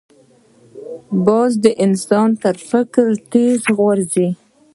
باز د انسان تر فکر تېز غورځي